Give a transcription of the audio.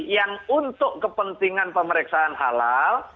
yang untuk kepentingan pemeriksaan halal